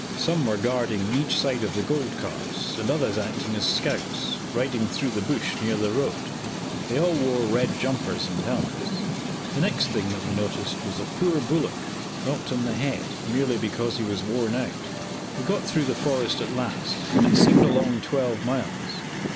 Some were guarding each side of the gold carts, and others acting as scouts, riding through the bush near the road. They all wore red jumpers and helmets, The next thing that we noticed was a poor bullock, knocked on the head, merely because he was worn out. We got through the forest at last, and it seemed a long twelve miles.